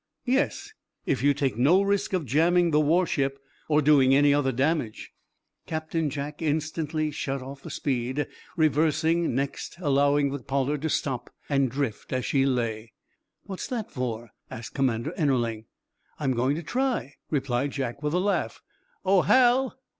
"Yes, if you take no risk of ramming the war ship, or doing any other damage." Captain Jack instantly shut off the speed, reversing, next allowing the "Pollard" to stop and drift as she lay. "What's that for?" asked Commander Ennerling. "I'm going to try," replied Jack, with a laugh. "Oh, Hal!"